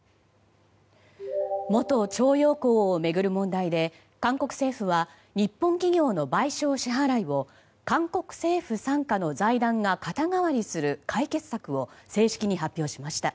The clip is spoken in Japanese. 元徴用工を巡る問題で韓国政府は日本企業の賠償支払いを韓国政府傘下の財団が肩代わりする解決策を正式に発表しました。